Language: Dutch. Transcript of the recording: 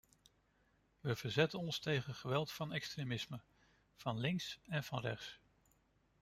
Wij verzetten ons tegen geweld en extremisme, van links en van rechts.